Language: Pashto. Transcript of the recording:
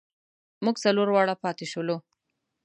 مونږ څلور واړه پاتې شولو.